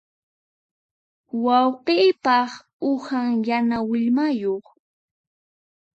Wayqiypaq uhan yana willmayuq.